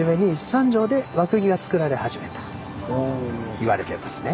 いわれてますね。